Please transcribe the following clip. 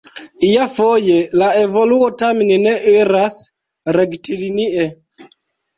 Iafoje la evoluo tamen ne iras rektlinie.